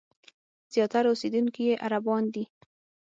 زیاتره اوسېدونکي یې عربان دي.